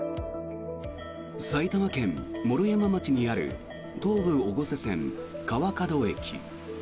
埼玉県毛呂山町にある東武越生線川角駅。